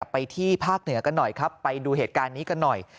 ไปที่ภาคเหนือกันหน่อยครับไปดูเหตุการณ์นี้กันหน่อย